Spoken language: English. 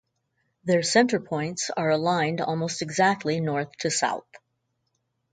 Their centre points are aligned almost exactly north to south.